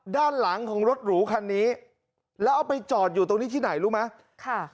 ด้านหลังของรถหรูคันนี้แล้วเอาไปจอดอยู่ตรงนี้ที่ไหนรู้ไหมค่ะ